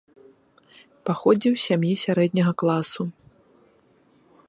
Паходзіў з сям'і сярэдняга класу.